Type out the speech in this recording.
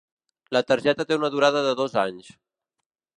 La targeta té una durada de dos anys.